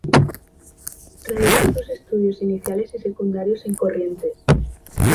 Realizó sus estudios iniciales y secundarios en Corrientes.